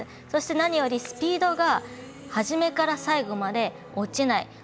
そして、何よりスピードが始めから最後まで落ちない。